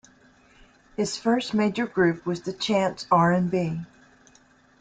His first major group was the Chants R and B.